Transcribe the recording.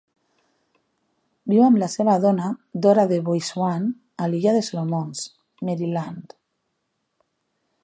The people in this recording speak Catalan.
Viu amb la seva dona, Dorothy DeBoy Swann, a l'illa de Solomons, Maryland.